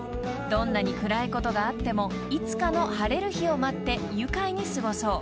［どんなに暗いことがあってもいつかの晴れる日を待って愉快に過ごそう］